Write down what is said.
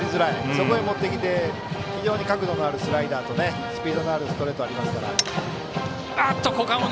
そこへ持ってきて非常に角度のあるスライダーとスピードのあるストレートがありますからね。